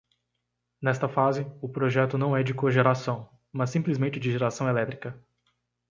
Nesta fase, o projeto não é de cogeração, mas simplesmente de geração elétrica.